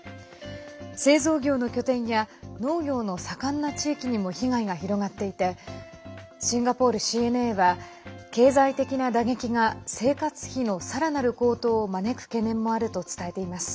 製造業の拠点や農業の盛んな地域にも被害が広がっていてシンガポールＣＮＡは経済的な打撃が生活費のさらなる高騰を招く懸念もあると伝えています。